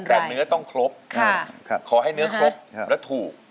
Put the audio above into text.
แต่เนื้อต้องครบขอให้เนื้อครบแล้วถูก